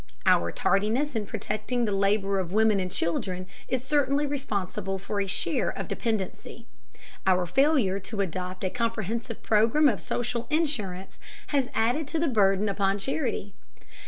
Our tardiness in protecting the labor of women and children is certainly responsible for a share of dependency. Our failure to adopt a comprehensive program of social insurance has added to the burden upon charity.